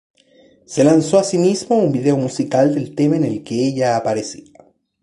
Se lanzó asimismo un vídeo musical del tema en el que ella aparecía.